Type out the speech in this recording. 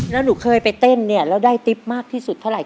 แล้วหนูเคยไปเต้นเนี่ยแล้วได้ติ๊บมากที่สุดเท่าไหร่